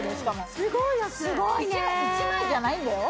１枚じゃないんだよ。